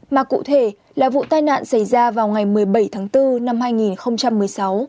mà cụ thể là vụ tai nạn xảy ra vào ngày một mươi bảy tháng bốn năm hai nghìn một mươi sáu